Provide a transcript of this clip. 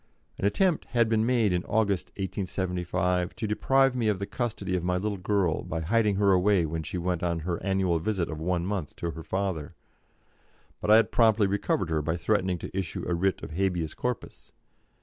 An attempt had been made in August, 1875, to deprive me of the custody of my little girl by hiding her away when she went on her annual visit of one month to her father, but I had promptly recovered her by threatening to issue a writ of _habeas corpus.